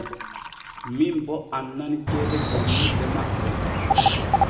Min boo annani ceede janŋirde maɓɓe.